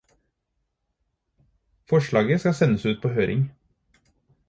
Forslaget skal sendes ut på høring.